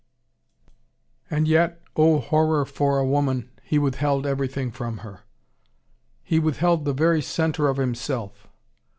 And yet, oh, horror for a woman, he withheld everything from her. He withheld the very centre of himself.